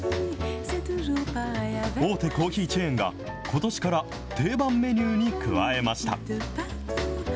大手コーヒーチェーンが、ことしから定番メニューに加えました。